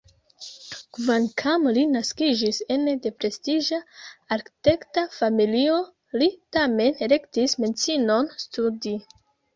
Kvankam li naskiĝis ene de prestiĝa arkitekta familio, li tamen elektis medicinon studi.